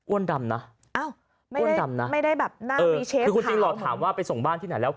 อ้วนดำนะอ้าวไม่ได้แบบน่ามีเชฟขาวคุณจินหลอกถามว่าไปส่งบ้านที่ไหนแล้ว